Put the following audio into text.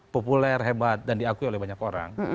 populer hebat dan diakui oleh banyak orang